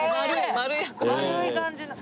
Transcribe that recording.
丸い感じの。